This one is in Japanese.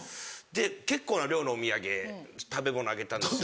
結構な量のお土産食べ物あげたんですよ。